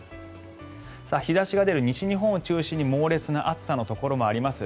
日差しが出る西日本を中心に猛烈な暑さのところがあります。